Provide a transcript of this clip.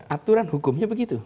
aturan hukumnya begitu